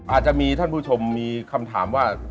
อาจจะมีท่านผู้ชมมีคำถามว่า